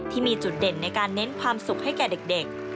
ที่มีจุดเด่นในการเน้นความสุขให้แก่เด็ก